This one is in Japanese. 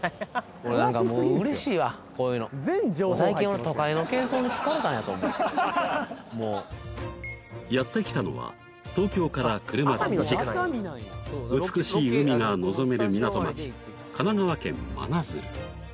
俺何かもうやって来たのは東京から車で２時間美しい海がのぞめる港町神奈川県真鶴